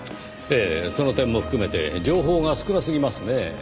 ええその点も含めて情報が少なすぎますねぇ。